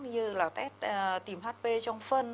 như là test tìm hp trong phân